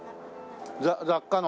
雑貨の？